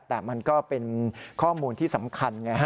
แต่มันก็เป็นข้อมูลที่สำคัญไงฮะ